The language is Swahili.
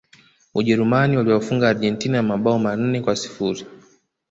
Ujerumani waliwafunga Argentina mabao manne kwa sifuri